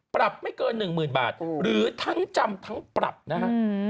ปรับไม่เกิน๑๐๐๐บาทหรือทั้งจำทั้งปรับนะฮะ